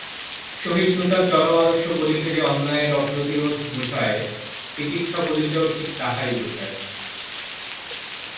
সহিষ্ণুতার চরম আদর্শ বলিতে যে অন্যায়ের অপ্রতিরোধ বোঝায়, তিতিক্ষা বলিতেও ঠিক তাহাই বোঝায়।